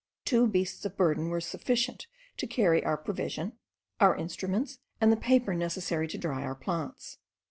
Two beasts of burden were sufficient to carry our provision, our instruments, and the paper necessary to dry our plants.